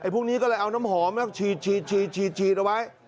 พวกนี้ก็เลยเอาน้ำหอมฉีดเอาไว้